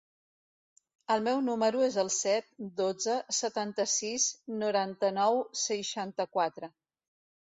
El meu número es el set, dotze, setanta-sis, noranta-nou, seixanta-quatre.